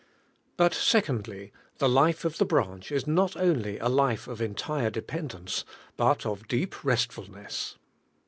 But secondly, (he life of the branch is not only a life of entire dependence, but of deep resl fulness.